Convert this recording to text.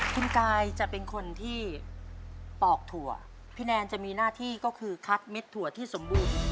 คุณกายจะเป็นคนที่ปอกถั่วพี่แนนจะมีหน้าที่ก็คือคัดเม็ดถั่วที่สมบูรณ์